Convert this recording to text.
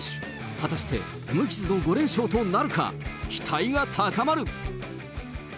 果たして無傷の５連勝となるか、期待が高まる。